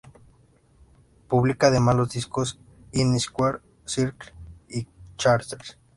Publica además los discos "In Square Circle" y "Characters".